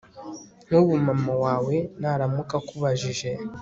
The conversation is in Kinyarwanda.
nkubu mama wawe naramuka akubajije